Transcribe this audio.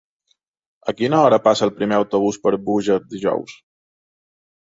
A quina hora passa el primer autobús per Búger dijous?